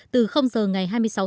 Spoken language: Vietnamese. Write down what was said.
từ giờ ngày hai mươi sáu tháng